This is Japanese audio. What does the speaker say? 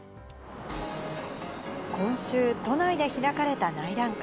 今週、都内で開かれた内覧会。